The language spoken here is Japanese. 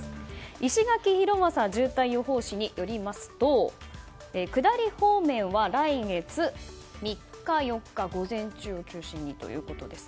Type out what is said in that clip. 石垣博将渋滞予報士によりますと下り方面は来月３日、４日の午前中を中心にということです。